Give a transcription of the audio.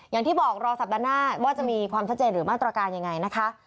อย่างที่บอกรอสัปดาห์หน้าว่าจะมีความชัดเจนหรือมาตรการยังไงนะคะ